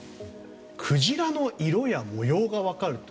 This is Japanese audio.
クジラの色や模様が分かると。